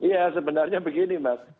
ya sebenarnya begini mas